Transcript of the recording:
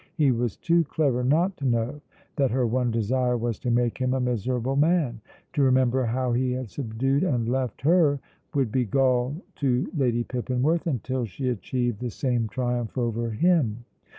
He was too clever not to know that her one desire was to make him a miserable man; to remember how he had subdued and left her would be gall to Lady Pippinworth until she achieved the same triumph over him.